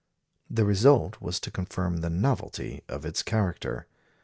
The result was to confirm the novelty of its character.